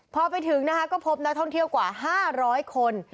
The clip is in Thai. พอไปถึงนะคะก็พบนักท่องเที่ยวกว่า๕๐๐คน